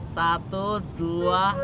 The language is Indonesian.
saya mau ke tunggak